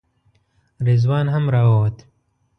رضوان هم راووت.